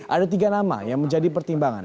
ada tiga nama yang menjadi pertimbangan